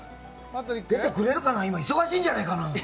出てくれるかな忙しいんじゃないかな。